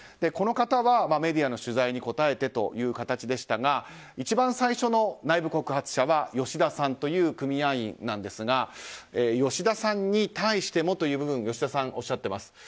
この方は、メディアの取材に答えてということでしたが一番最初の内部告発者は吉田さんという組合員なんですが吉田さんに対してもという部分吉田さん、おっしゃっています。